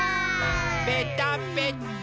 ぺたぺた。